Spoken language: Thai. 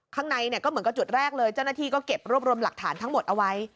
ข้างในเนี่ยก็เหมือนกับจุดแรกเลยเจ้าหน้าที่ก็เก็บรวบรวมหลักฐานทั้งหมดเอาไว้